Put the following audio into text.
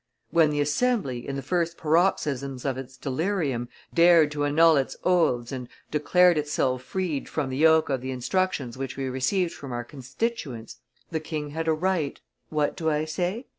"When the Assembly, in the first paroxysms of its delirium, dared to annul its oaths and declared itself freed from the yoke of the instructions which we received from our constituents, the king had a right what do I say?